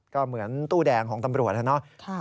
ก็เหมือนตู้แดงของตำรวจนะครับ